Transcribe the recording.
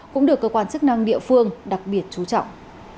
cũng được cơ quan chức năng địa phương đặc biệt chú trọng